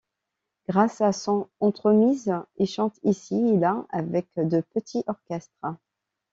Grâce à son entremise, il chante ici et là avec de petits orchestres.